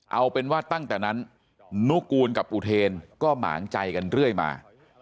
เอาเป็นว่าตั้งแต่นั้นนุกูลกับอุเทนก็หมางใจกันเรื่อยมา